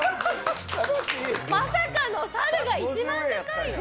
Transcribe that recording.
まさかの猿が一番高いの？